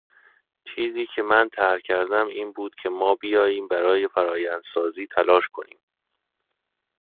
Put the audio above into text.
چیزی که من طرح کردم این بود که ما بیایم برای فرایندسازی تلاش کنیم